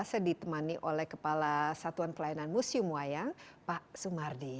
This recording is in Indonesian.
saya ditemani oleh kepala satuan pelayanan museum wayang pak sumardi